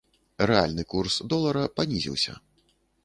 Рэальны курс долара панізіўся.